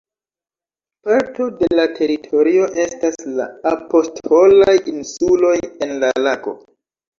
Parto de la teritorio estas la "Apostolaj Insuloj" en la lago.